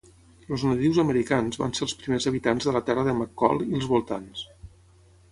Els nadius americans van ser els primers habitants de la terra de McCall i els voltants.